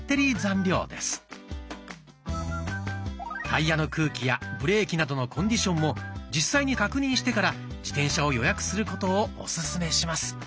タイヤの空気やブレーキなどのコンディションも実際に確認してから自転車を予約することをオススメします。